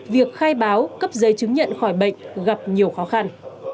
việc khai báo cấp giấy chứng nhận khỏi bệnh gặp nhiều khó khăn